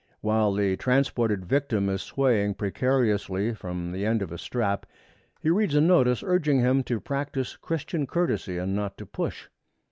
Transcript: While the transported victim is swaying precariously from the end of a strap he reads a notice urging him to practice Christian courtesy and not to push.